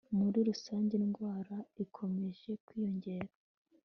Muri rusange indwara ikomeje kwiyongera